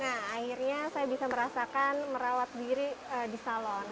nah akhirnya saya bisa merasakan merawat diri di salon